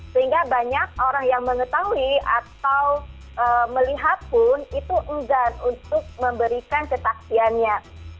sehingga banyak orang yang mengetahui atau melihat pun itu enggan untuk memberikan kesaksiannya